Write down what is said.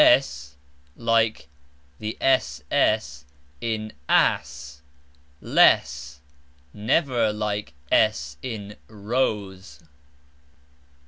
s like SS in aSS, leSS, never like S in roSe.